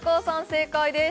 正解です